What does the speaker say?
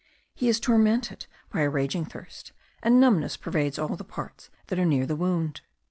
He is tormented by a raging thirst, and numbness pervades all the parts that are near the wound.